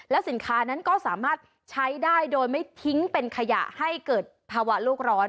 สินค้านั้นก็สามารถใช้ได้โดยไม่ทิ้งเป็นขยะให้เกิดภาวะโลกร้อน